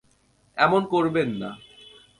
এমন করবেন না।